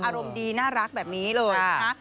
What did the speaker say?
อารมณ์ดีน่ารักแบบนี้เลยนะคะ